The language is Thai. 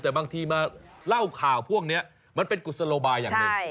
แต่บางทีมาเล่าข่าวพวกนี้มันเป็นกุศโลบายอย่างหนึ่ง